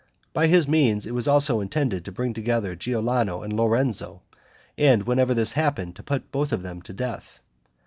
By his means it was also intended to bring together Giuliano and Lorenzo, and whenever this happened, to put them both to death.